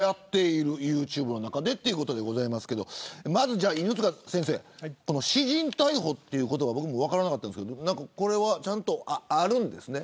私人逮捕動画がはやっているユーチューブの中でということですけどまず犬塚先生私人逮捕という言葉分からなかったんですけどこれはあるんですね。